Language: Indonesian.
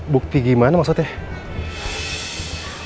bukti gimana maksudnya